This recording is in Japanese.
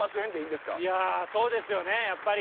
いやそうですよねやっぱり。